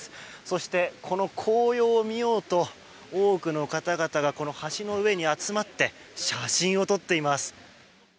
そして、この紅葉を見ようと多くの方々がこの橋の上に集まって写真を撮っています。